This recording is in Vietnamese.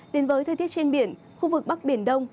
đến với thời tiết trên biển khu vực bắc biển đông